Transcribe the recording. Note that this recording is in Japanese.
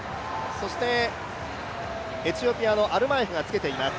そしてエチオピアのアルマエフがつけています。